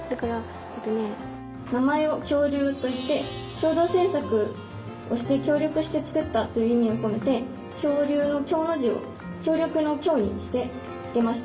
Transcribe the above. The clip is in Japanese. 名前を「協竜」といって共同制作をして協力して作ったという意味を込めて恐竜の「恐」の字を協力の「協」にして付けました。